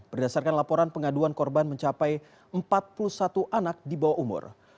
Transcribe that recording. berdasarkan laporan pengaduan korban mencapai empat puluh satu anak di bawah umur